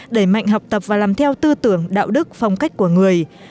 đẩy mạnh học tập và làm theo tư tưởng đạo đức phong cách của người